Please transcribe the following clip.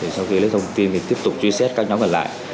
sau khi lấy thông tin tiếp tục truy xét các nhóm gần lại